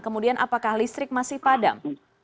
kemudian apakah listrik masih padam